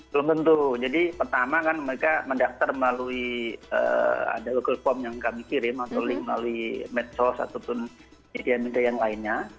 belum tentu jadi pertama kan mereka mendaftar melalui ada google form yang kami kirim atau link melalui medsos ataupun media media yang lainnya